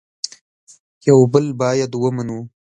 یو بل باید ومنو